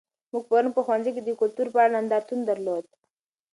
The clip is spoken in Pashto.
موږ پرون په ښوونځي کې د کلتور په اړه نندارتون درلود.